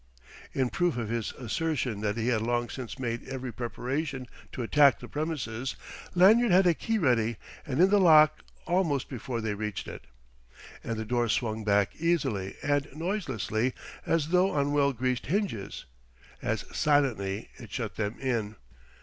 In proof of his assertion that he had long since made every preparation to attack the premises, Lanyard had a key ready and in the lock almost before they reached it. And the door swung back easily and noiselessly as though on well greased hinges. As silently it shut them in.